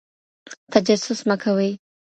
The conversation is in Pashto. تجسس مه کوئ.